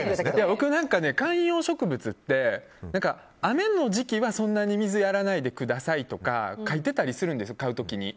僕、観葉植物って雨の時期はそんなに水やらないでくださいとか書いてたりするんです、買う時に。